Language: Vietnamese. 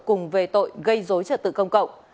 cùng về tội gây dối trợ tự công cộng